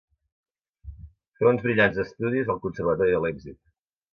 Féu uns brillants estudis al Conservatori de Leipzig.